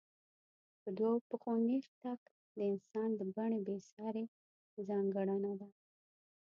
په دوو پښو نېغ تګ د انساني بڼې بېسارې ځانګړنه ده.